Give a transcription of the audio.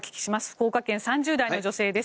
福岡県３０代の女性です。